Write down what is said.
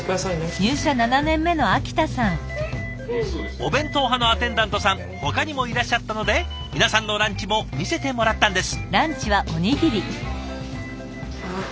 お弁当派のアテンダントさんほかにもいらっしゃったので皆さんのランチも見せてもらったんです。